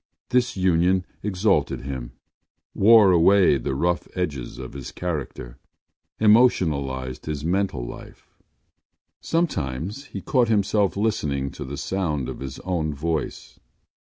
This union exalted him, wore away the rough edges of his character, emotionalised his mental life. Sometimes he caught himself listening to the sound of his own voice.